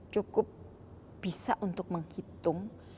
cukup bisa untuk menghitung